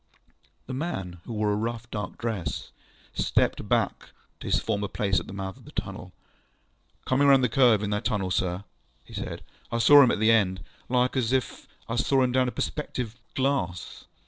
ŌĆØ The man, who wore a rough dark dress, stepped back to his former place at the mouth of the tunnel. ŌĆ£Coming round the curve in the tunnel, sir, ŌĆØ he said, ŌĆ£I saw him at the end, like as if I saw him down a perspective glass.